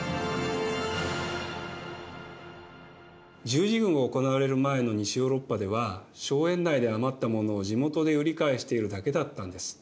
十字軍が行われる前の西ヨーロッパでは荘園内で余った物を地元で売り買いしているだけだったんです。